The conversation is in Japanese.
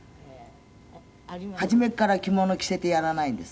「初めから着物着せてやらないんです」